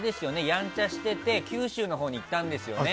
やんちゃしてて九州のほうに行ったんですよね。